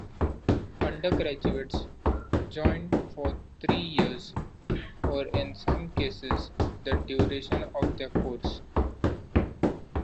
Undergraduates join for three years, or in some cases the duration of their course.